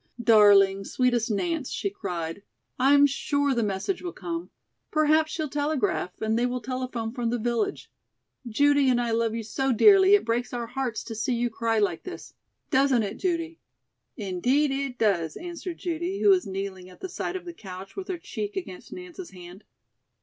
"Darling, sweetest Nance," she cried, "I am sure the message will come. Perhaps she'll telegraph, and they will telephone from the village. Judy and I love you so dearly, it breaks our hearts to see you cry like this. Doesn't it, Judy?" "Indeed, it does," answered Judy, who was kneeling at the side of the couch with her cheek against Nance's hand.